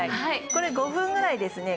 これ５分ぐらいですね